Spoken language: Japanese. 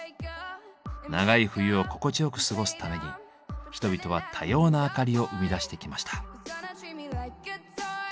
長い冬を心地よく過ごすために人々は多様な明かりを生み出してきました。